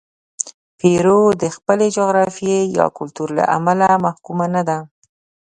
پیرو د خپلې جغرافیې یا کلتور له امله محکومه نه ده.